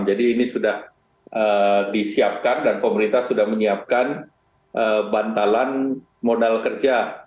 jadi ini sudah disiapkan dan pemerintah sudah menyiapkan bantalan modal kerja